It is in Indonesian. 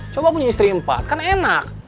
coba punya istri empat kan enak